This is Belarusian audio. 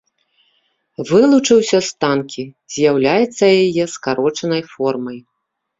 Вылучыўся з танкі, з'яўляецца яе скарочанай формай.